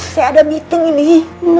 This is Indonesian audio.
saya ada meeting ini